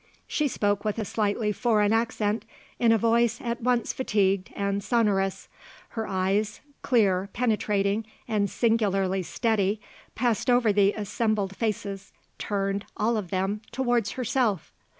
She spoke with a slightly foreign accent in a voice at once fatigued and sonorous. Her eyes, clear, penetrating and singularly steady, passed over the assembled faces, turned, all of them, towards herself.